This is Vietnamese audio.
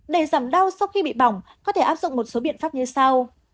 để giảm đau sau khi bị bỏng có thể áp dụng một số biện pháp như sau